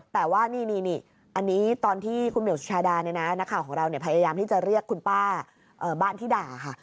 แต่ว่านี่อันนี้ตอนที่คุณเหมียวสุชาดาเนี่ยนะนักข่าวของเราพยายามที่จะเรียกคุณป้าบ้านที่ด่าค่ะ